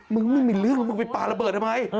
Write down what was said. มึงไม่มีเรื่องแล้วมึงไปปลาระเบิดทำไม